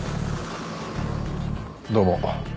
どうも。